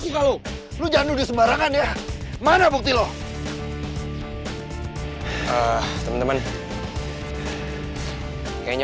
gak tau obar sama ni mana